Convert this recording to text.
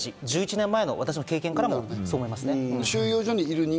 １１年前の私の経験からも思います。